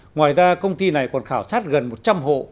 ngoài ra công ty này còn khảo sát gần một trăm linh hộ